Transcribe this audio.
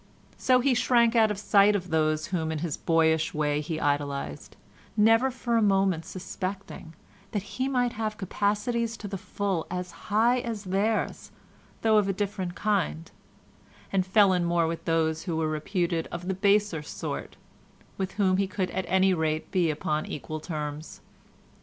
So he shrank out of sight of those whom in his boyish way he idolised, never for a moment suspecting that he might have capacities to the full as high as theirs though of a different kind, and fell in more with those who were reputed of the baser sort, with whom he could at any rate be upon equal terms.